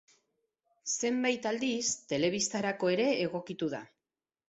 Zenbait aldiz telebistarako ere egokitu da.